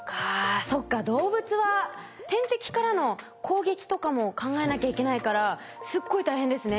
そっか動物は天敵からの攻撃とかも考えなきゃいけないからすっごい大変ですね